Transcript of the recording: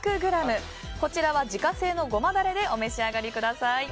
こちらは自家製のゴマダレでお召し上がりください。